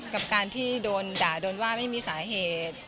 กับการที่โดนด่าโดนว่าไม่มีสาเหตุ